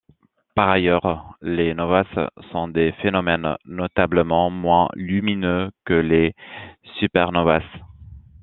Par ailleurs, les novas sont des phénomènes notablement moins lumineux que les supernovas.